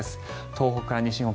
東北から西日本